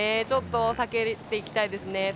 ちょっと避けていきたいですね。